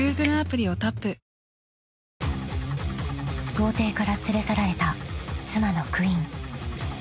［豪邸から連れ去られた妻のクイン］